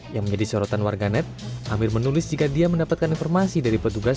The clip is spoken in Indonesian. yang menjadi sorotan warganet amir menulis jika dia mendapatkan informasi dari petugas